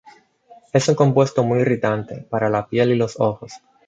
Es un compuesto muy irritante para la piel y los ojos.